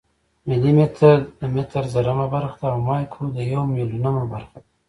ملي متر د متر زرمه برخه ده او مایکرو د یو میلیونمه برخه ده.